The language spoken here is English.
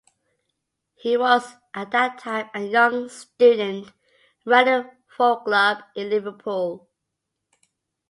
He was at that time a young student running a folk club in Liverpool.